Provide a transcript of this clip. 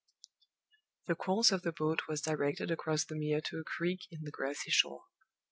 The course of the boat was directed across the Mere to a creek in the grassy shore.